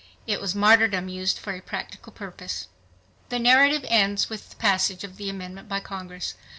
It was martyrdom used for a practical purpose. The narrative ends with the passage of the amendment by Congress.